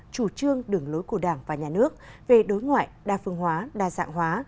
chủ trương đường lối của đảng và nhà nước về đối ngoại đa phương hóa đa dạng hóa